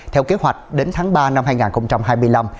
theo kế hoạch đến tháng ba năm hai nghìn hai mươi năm